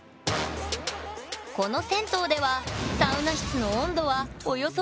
この銭湯ではサウナ室の温度はおよそ８０℃！